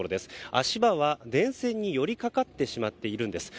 足場は、電線に寄りかかってしまっているんです。